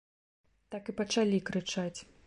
Так і пачалі крычаць.